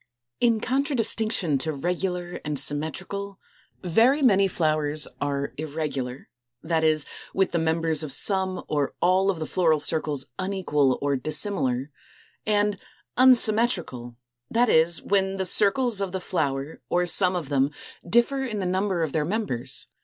In contradistinction to regular and symmetrical, very many flowers are Irregular, that is, with the members of some or all of the floral circles unequal or dissimilar, and Unsymmetrical, that is, when the circles of the flower or some of them differ in the number of their members.